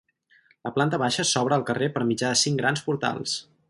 La planta baixa s'obre al carrer per mitjà de cinc grans portals.